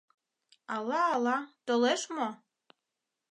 Ала-ала, толеш мо?..